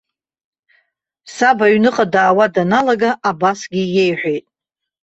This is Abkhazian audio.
Саб аҩныҟа даауа даналага, абасгьы иеиҳәеит.